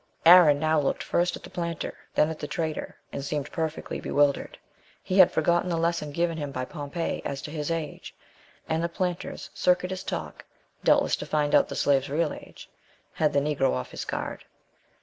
Aaron now looked first at the planter, then at the trader, and seemed perfectly bewildered. He had forgotten the lesson given him by Pompey as to his age, and the planter's circuitous talk (doubtless to find out the slave's real age) had the Negro off his guard.